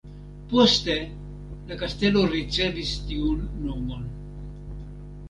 Poste la kastelo ricevis tiun nomon.